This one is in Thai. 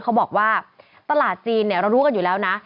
เขาบอกว่าตลาดจีนเรารู้กันอยู่แล้วนะ